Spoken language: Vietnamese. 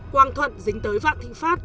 quang thuận dính tới vạn thịnh pháp